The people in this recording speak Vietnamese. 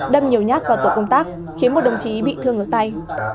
đâm nhiều nhát vào tổ công tác khiến một đồng chí bị thương ở tay